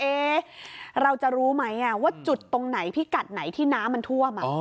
เอ๊ะเราจะรู้ไหมอะว่าจุดตรงไหนที่กัดไหนที่น้ำมันท่วมอะ